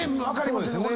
分かります